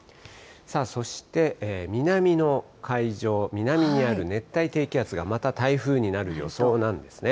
そして、南の海上、南にある熱帯低気圧がまた台風になる予想なんですね。